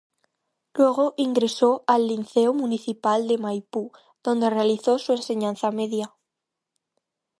Luego ingresó al Liceo Municipal de Maipú, donde realizó su enseñanza media.